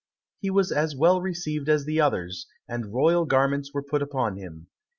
He was as well received as the others, and royal garments were put upon him.